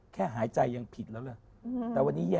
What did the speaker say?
แค่หายใจยังผิดแล้วเลย